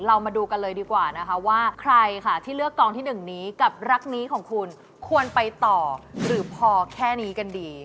เรามาดูกันเลยดีกว่านะคะว่าใครค่ะที่เลือกกองที่๑นี้กับรักนี้ของคุณควรไปต่อหรือพอแค่นี้กันดี